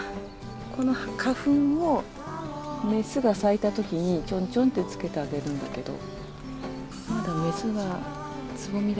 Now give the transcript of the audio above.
この花粉をメスが咲いたときにちょんちょんって付けてあげるんだけど。